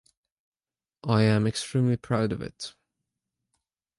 I am extremely proud of it.